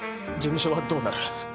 事務所はどうなる？